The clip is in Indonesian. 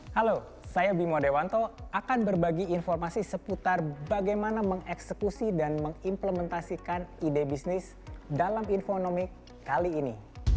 halo saya bimo dewanto akan berbagi informasi seputar bagaimana mengeksekusi dan mengimplementasikan ide bisnis dalam infonomik kali ini